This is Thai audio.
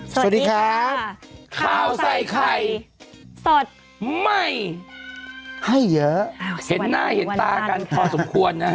สวัสดีครับข้าวใส่ไข่สดใหม่ให้เยอะเห็นหน้าเห็นตากันพอสมควรนะฮะ